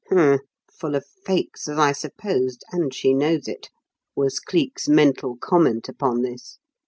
"Humph! Full of fakes, as I supposed and she knows it," was Cleek's mental comment upon this.